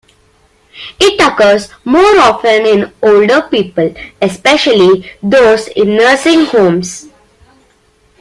It occurs more often in older people, especially those in nursing homes.